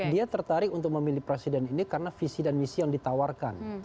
dia tertarik untuk memilih presiden ini karena visi dan misi yang ditawarkan